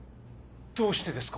どうしてですか？